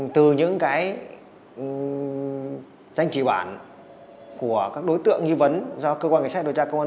từ những cái danh chỉ bản của các đối tượng nghi vấn do cơ quan kiểm tra công an